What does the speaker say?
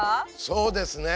そうですね